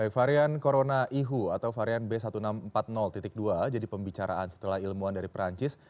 varian corona ihu atau varian b satu enam ratus empat puluh dua jadi pembicaraan setelah ilmuwan dari perancis